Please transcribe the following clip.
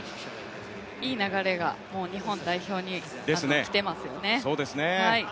いい流れが日本代表に来ていますよね。